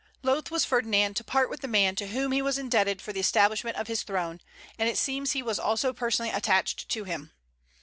Loath was Ferdinand to part with the man to whom he was indebted for the establishment of his throne; and it seems he was also personally attached to him.